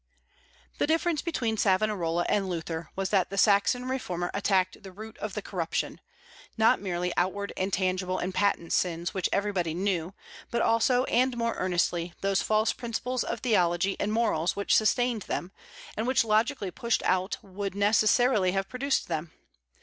The difference between Savonarola and Luther was that the Saxon reformer attacked the root of the corruption; not merely outward and tangible and patent sins which everybody knew, but also and more earnestly those false principles of theology and morals which sustained them, and which logically pushed out would necessarily have produced them.